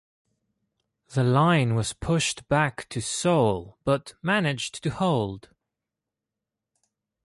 The line was pushed back to Seoul but managed to hold.